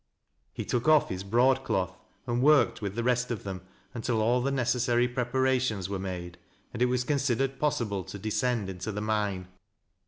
He took off his broadcloth and worked with the rest of them until all the necessary preparations were made and it was considered possible to descend into the mine.